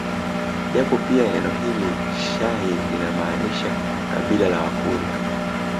Japo pia neno hili shahi linamaanisha kabila la Wakurya